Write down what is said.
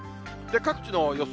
各地の予想